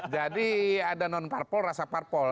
jadi ada non parpol rasa parpol